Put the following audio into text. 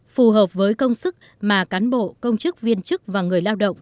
phù hợp với công sức mà cán bộ công chức viên chức và người lao động